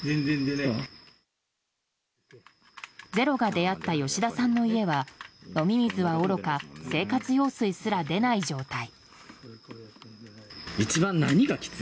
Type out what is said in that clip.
「ｚｅｒｏ」が出会った吉田さんの家は飲み水はおろか生活用水すら出ない状態。